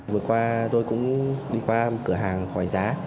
vừa qua tôi cũng đi qua cửa hàng hỏi giá